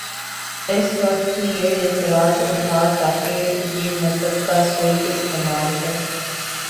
اس وقت بھی یہ اعتراض اٹھا تھاکہ یہ مذہب کا سوئ استعمال ہے۔